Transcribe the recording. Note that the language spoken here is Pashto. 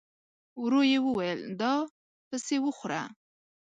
ورو يې وويل: دا پسې وخوره!